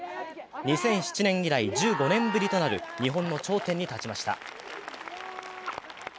２００７年以来、１５年ぶりとなる日本の頂点に立ちました。